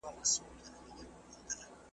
که دا مېنه د « امان » وه د تیارو لمن ټولیږي .